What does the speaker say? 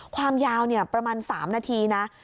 ความยาวประมาณ๓นาทีนะ